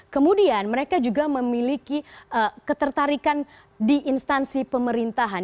kemudian mereka juga memiliki ketertarikan di instansi pemerintahan